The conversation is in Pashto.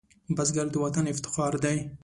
بزګر د وطن افتخار دی